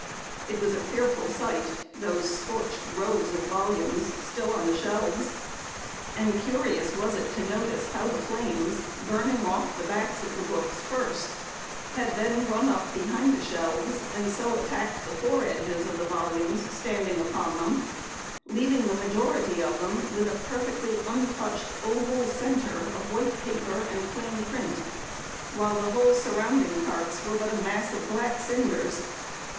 It was a fearful sight those scorched rows of Volumes still on the shelves; and curious was it to notice how the flames, burning off the backs of the books first, had then run up behind the shelves, and so attacked the fore edge of the volumes standing upon them, leaving the majority with a perfectly untouched oval centre of white paper and plain print, while the whole surrounding parts were but a mass of black cinders.